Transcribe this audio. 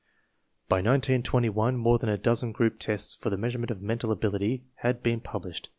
By 1921 more than a dozen group tests for the measurement of mental ability had been pub lished.